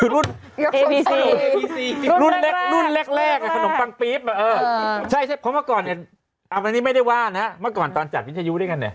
คือรุ่นรุ่นแรกขนมปังปรี๊บเออใช่เพราะเมื่อก่อนเนี่ย